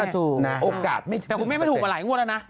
โอกาสแต่คุณแม่ไม่ถูกมาหลายงวดแล้วนะ